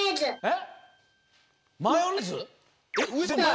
えっ